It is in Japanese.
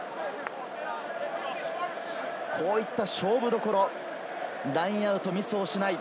こういった勝負どころ、ラインアウトミスをしない。